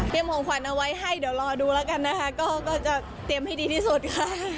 ของขวัญเอาไว้ให้เดี๋ยวรอดูแล้วกันนะคะก็จะเตรียมให้ดีที่สุดค่ะ